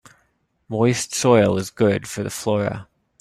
Moist soil is good for the flora.